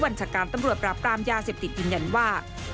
ัญชาการตำรวจปราบปรามยาเสพติดยืนยันว่า